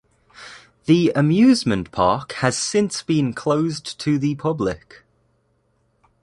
The amusement park has since been closed to the public.